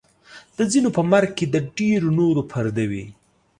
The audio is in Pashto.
د ځینو په مرګ کې د ډېرو نورو پرده وي.